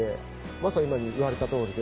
まさに言われた通りで。